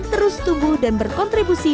terus tumbuh dan berkontribusi